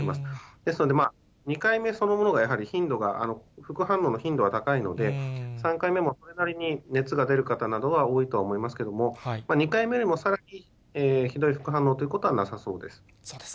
ですので、２回目そのものがやはり頻度が、副反応の頻度が高いので、３回目もそれなりに熱が出る方などは多いとは思いますけれども、２回目よりもさらにひどい副反応ということはなさそうです。